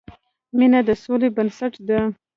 مینه د سولې بنسټ ده.